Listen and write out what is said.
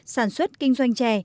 sản xuất kinh doanh trè